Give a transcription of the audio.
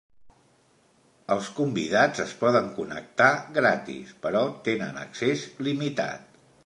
Els convidats es poden connectar gratis, però tenen accés limitat.